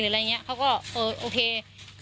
หรืออะไรอย่างเงี้ยเขาก็เออโอเค